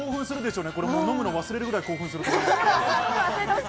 飲むのを忘れるぐらい興奮する。